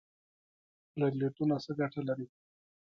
پلیټلیټونه څه ګټه لري؟